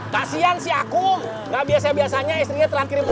kasian si akum nggak biasa biasanya istrinya telat kirim uang